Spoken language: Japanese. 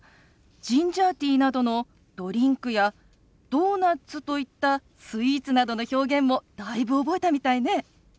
ジンジャーティーなどのドリンクやドーナツといったスイーツなどの表現もだいぶ覚えたみたいね。